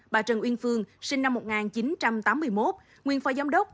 bà trần uyên phương sinh năm một nghìn chín trăm tám mươi một nguyên phó giám đốc